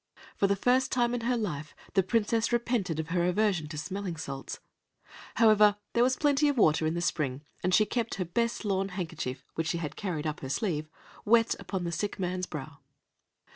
For the first time in her life, the Princess repented of her aversion to smelling salts. However, there was plenty of water in the spring, and she kept her best lawn handkerchief, which she had carried up her sleeve, wet upon the sick man's brow.